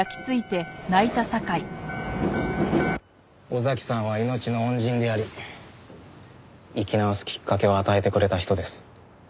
尾崎さんは命の恩人であり生き直すきっかけを与えてくれた人です。